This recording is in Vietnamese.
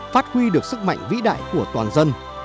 phát huy được sức mạnh vĩ đại của toàn dân